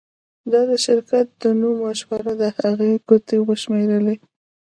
دا د شرکت د نوم مشوره ده هغې ګوتې وشمیرلې